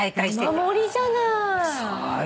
山盛りじゃない。